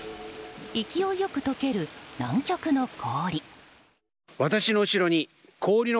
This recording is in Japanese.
勢いよく解ける南極の氷。